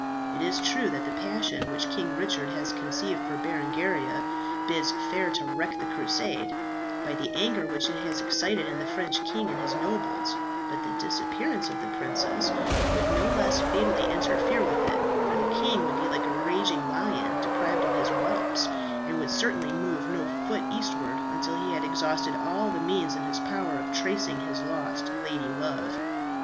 It is true that the passion which King Richard has conceived for Berengaria bids fair to wreck the Crusade, by the anger which it has excited in the French king and his nobles; but the disappearance of the princess would no less fatally interfere with it, for the king would be like a raging lion deprived of his whelps, and would certainly move no foot eastward until he had exhausted all the means in his power of tracing his lost lady love.